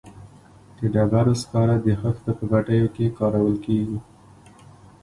د ډبرو سکاره د خښتو په بټیو کې کارول کیږي